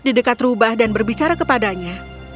di dekat rubah dan berbicara kepadanya